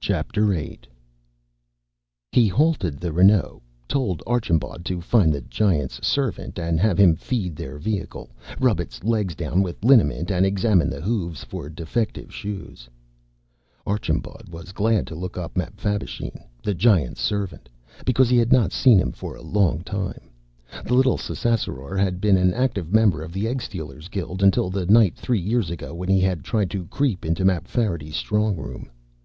VIII He halted the Renault, told Archambaud to find the Giant's servant and have him feed their vehicle, rub its legs down with liniment, and examine the hooves for defective shoes. Archambaud was glad to look up Mapfabvisheen, the Giant's servant, because he had not seen him for a long time. The little Ssassaror had been an active member of the Egg stealer's Guild until the night three years ago when he had tried to creep into Mapfarity's strongroom.